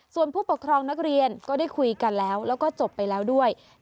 ส่วนผู้ปกครองนักเรียนก็ได้คุยกันแล้วแล้วก็จบไปแล้วด้วย